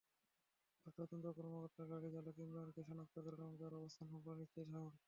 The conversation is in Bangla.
পরে তদন্ত কর্মকর্তা গাড়িচালক ইমরানকে শনাক্ত করেন এবং তাঁর অবস্থান সম্পর্কে নিশ্চিত হন।